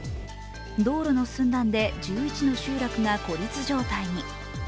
道路の寸断で１１の集落が孤立状態に。